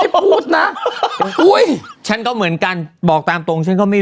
ไอผมไม่ค่อยรู้ของคำหยาบอะไรเห็นมั้ย